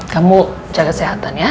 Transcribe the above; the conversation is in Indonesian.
kamu jaga kesehatan ya